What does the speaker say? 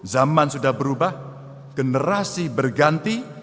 zaman sudah berubah generasi berganti